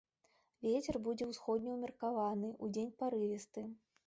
Вецер будзе ўсходні ўмеркаваны, удзень парывісты.